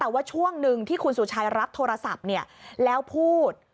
แต่ว่าช่วงหนึ่งที่คุณสุชัยรับโทรศัพท์แล้วพูด